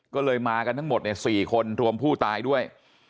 ก็เลยมากันทั้งหมด๔คนรวมผู้ตายด้วย